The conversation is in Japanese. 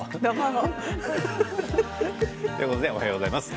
おはようございます。